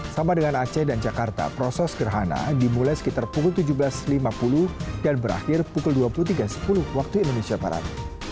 sama dengan aceh dan jakarta proses gerhana dimulai sekitar pukul tujuh belas lima puluh dan berakhir pukul dua puluh tiga sepuluh waktu indonesia barat